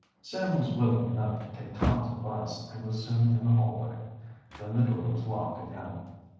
Sam was willing enough to take Tom's advice, and was soon in the hallway. Then the door was locked again.